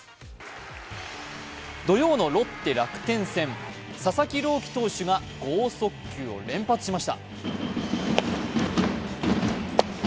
土曜のロッテ×楽天戦、佐々木朗希投手が剛速球を連発しました。